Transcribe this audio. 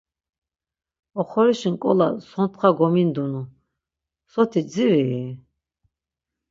Oxorişi nǩola sortxa gomindunu. Soti ziri-i?